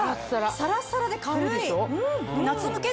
サラッサラで軽い！